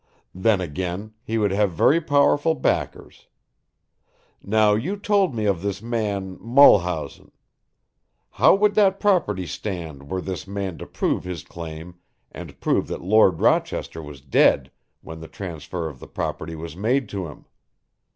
Then again, he would have very powerful backers. Now you told me of this man Mulhausen. How would that property stand were this man to prove his claim and prove that Lord Rochester was dead when the transfer of the property was made to him?